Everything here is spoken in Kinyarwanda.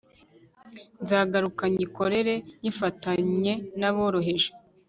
nzaguruka nyikorere nyifatanye n'aboroheje